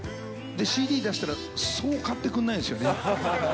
で、ＣＤ出したらそう買ってくれないんですよね。